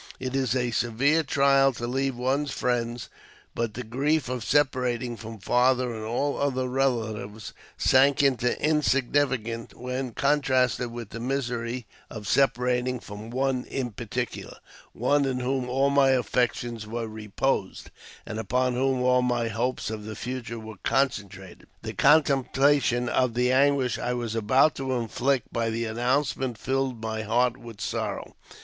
It is a severe trial to leave one's friends ; but the grief of separating from father and all other relatives sank into insignificance when contrasted with the misery of separating from one in particular — one in whom all my affections were reposed, and upon whom all my hopes of the future were concentrated. The contemplation of the anguish I was about to inflict by the announcement filled my heart with sorrow.